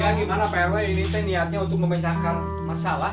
ya gimana pak rw ini niatnya untuk membencangkan masalah